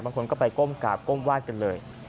บางคนก็ไปก้มกราบก้มวาดกันเลย